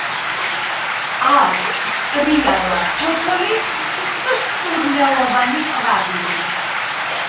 აქვთ პრიალა ფოთოლი და სურნელოვანი ყვავილი.